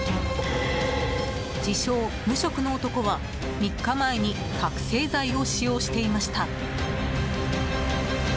自称無職の男は、３日前に覚醒剤を使用していました。